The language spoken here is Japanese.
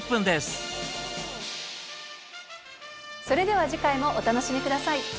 それでは次回もお楽しみ下さい。